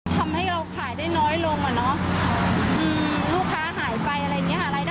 ทำให้เราขายได้น้อยลงอ่ะเนอะ